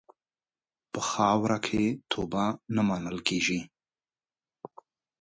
په خاوره کې توبه نه منل کېږي.